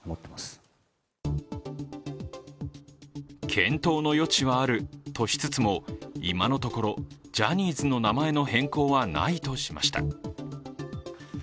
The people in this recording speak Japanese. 検討の余地はあるとしつつも今のところジャニーズの名前の変更はないとしました。